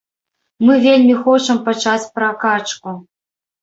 Мы вельмі хочам пачаць пракачку.